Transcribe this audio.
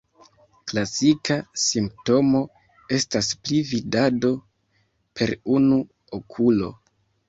Klasika simptomo estas pli-vidado per unu okulo.